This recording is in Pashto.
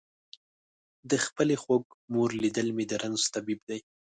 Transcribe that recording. د خپلې خوږ مور لیدل مې د رنځ طبیب دی.